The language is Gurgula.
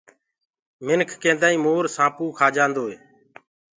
منک ڪيدآئين مور سآنپ کآ جآندوئي